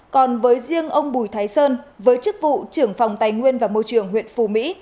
còn với riêng ông bùi thái sơn với chức vụ trưởng phòng tài nguyên và môi trường huyện phù mỹ